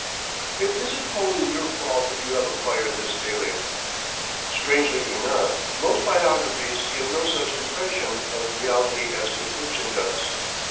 It isn't wholly your fault that you have acquired this feeling. Strangely enough, most biographies give no such impression of reality as good fiction does.